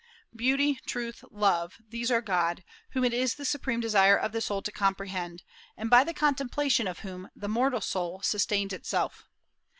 Beauty, truth, love, these are God, whom it is the supreme desire of the soul to comprehend, and by the contemplation of whom the mortal soul sustains itself.